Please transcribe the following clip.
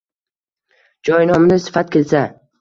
Joy nomida sifat kelsa